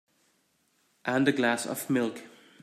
And a glass of milk.